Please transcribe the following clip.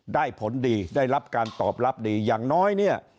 ผลดีได้รับการตอบรับดีอย่างน้อยเนี่ย